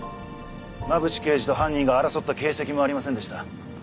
馬淵刑事と犯人が争った形跡もありませんでした。